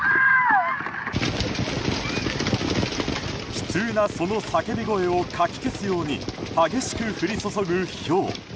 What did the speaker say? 悲痛なその叫び声をかき消すように激しく降り注ぐ、ひょう。